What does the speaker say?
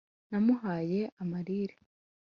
namuhaye amirire